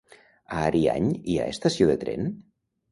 A Ariany hi ha estació de tren?